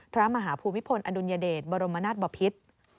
มหาภูมิพลอดุลยเดชบรมนาศบพิษ